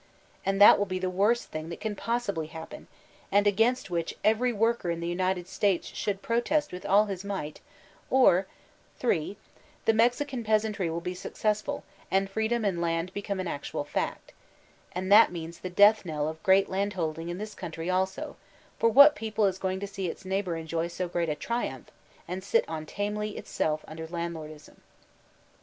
And that win be the worst thing that can possibly happen, and against which every worker in the United States should protest with all his might ; or 3. The Mexican peasantry will be successful, and f ree» 274 VOLTAIRINE DE ClEYXE dom in land become an actual fact. And that means the death knell of great landholding in this country also, for what people is going to see its neighbor enjoy so great a triumph, and sit on tamely itself under landlordism?